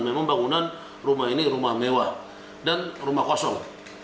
memang bangunan rumah ini rumah mewah dan rumah kosong